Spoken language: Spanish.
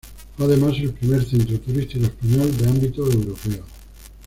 Fue además el primer centro turístico español de ámbito europeo.